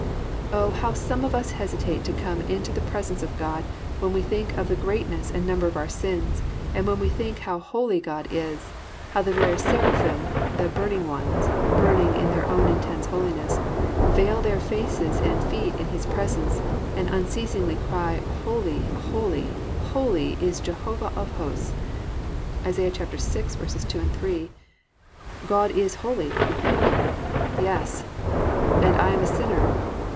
"+ Oh, how some of us hesitate to come into the presence of God when we think of the greatness and the number of our sins, and when we think how holy God is, how the very seraphim (the "burning ones," burning in their own intense holiness) veil their faces and feet in His presence and unceasingly cry "Holy, holy, holy, is Jehovah of Hosts" (Isa. 6:2, 3). "God is Holy," we think. "Yes." "And I am a sinner."